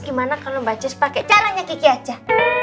gimana kalau mbak jess pake caranya kiki aja